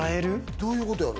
どういうことやろ。